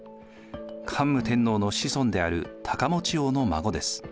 桓武天皇の子孫である高望王の孫です。